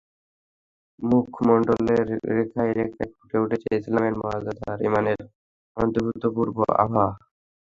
মুখমণ্ডলের রেখায় রেখায় ফুটে উঠেছে ইসলামের মর্যাদা আর ঈমানের অভূতপূর্ব আভা।